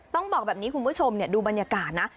ต้องบอกแบบนี้คุณผู้ชมดูบรรยากาศนะ